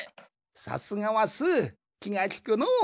さすがはスーきがきくのう。